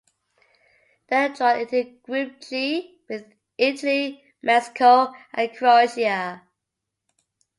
They were drawn into Group G with Italy, Mexico and Croatia.